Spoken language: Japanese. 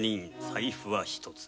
財布は一つ。